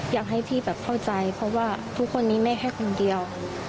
อยากให้พี่แบบเข้าใจเพราะว่าทุกคนนี้แม่แค่คนเดียว